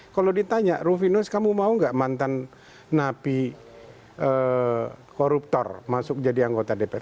kalau ditanya rufinus kamu mau nggak mantan napi koruptor masuk jadi anggota dpr